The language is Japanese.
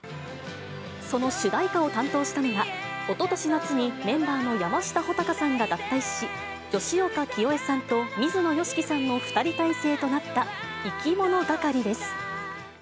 その主題歌を担当したのが、おととし夏にメンバーの山下穂尊さんが脱退し、吉岡聖恵さんと水野良樹さんの２人体制となった、いきものがかりです。